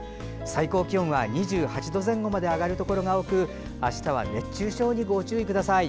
最高気温は２８度前後まで上がるところが多くあしたは熱中症にご注意ください。